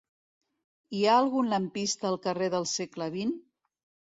Hi ha algun lampista al carrer del Segle XX?